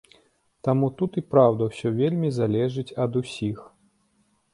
Таму тут і праўда ўсё вельмі залежыць ад усіх.